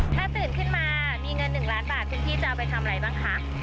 ถ้าตื่นขึ้นมามีเงิน๑ล้านบาทคุณพี่จะเอาไปทำอะไรบ้างคะ